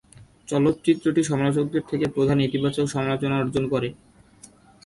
চলচ্চিত্রটি সমালোচকদের থেকে প্রধানত ইতিবাচক সমালোচনা অর্জন করে।